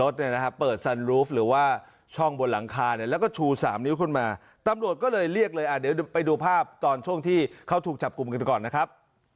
เดี๋ยวไปดูภาพตอนช่วงที่เขาถูกจับกลุ่มกันก่อนนะครับ